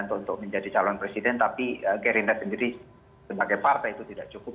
untuk menjadi calon presiden tapi gerindra sendiri sebagai partai itu tidak cukup